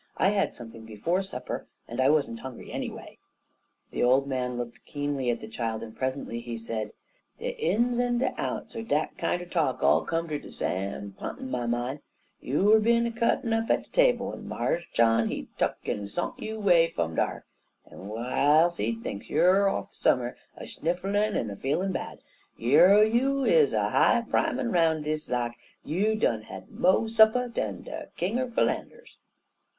"I had something before supper, and I wasn't hungry anyway." The old man looked keenly at the child, and presently he said: "De ins en de outs er dat kinder talk all come ter de same p'int in my min'. Youer bin a cuttin' up at de table, en Mars John, he tuck'n sont you 'way fum dar, en w'iles he think youer off some'er a snifflin' en a feelin' bad, yer you is a high primin' 'roun' des lak you done had mo' supper dan de King er Philanders."